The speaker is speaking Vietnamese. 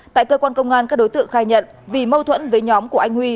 tại cơ quan công an các đối tượng khai nhận vì mâu thuẫn với nhóm của anh huy